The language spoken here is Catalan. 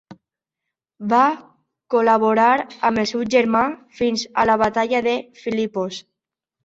Va col·laborar amb el seu germà fins a la batalla de Filipos.